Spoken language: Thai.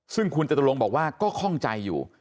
ซึ่งคุณจตุรงค์บอกว่าก็คล่องใจอยู่